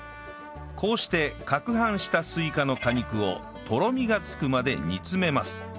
こうして攪拌したスイカの果肉をとろみがつくまで煮詰めます